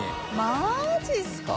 マジすか！？